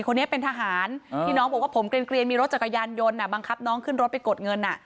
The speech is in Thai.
คนนี้เป็นทหารที่น้องบอกว่าผมเกลียนมีรถจักรยานยนต์บังคับน้องขึ้นรถไปกดเงิน